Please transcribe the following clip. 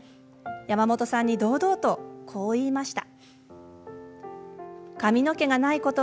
やまもとさんに堂々とこう言いました。